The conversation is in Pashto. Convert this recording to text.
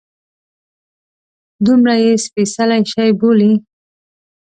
دومره یې سپیڅلی شي بولي.